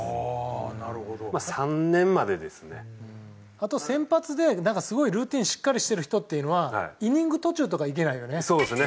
あと先発でなんかすごいルーティンしっかりしてる人っていうのはイニング途中とかいけないよね。